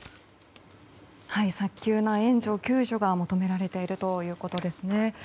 早急な援助、救助が求められているということです。